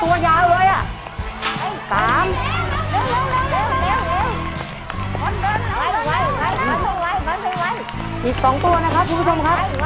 อีกเลยอีกเร็วเร็วเร็วเร็วนิดเดียวลูกเร็วเร็ว